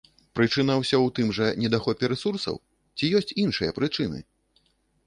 Прычына ўсё ў тым жа, недахопе рэсурсаў, ці ёсць іншыя прычыны?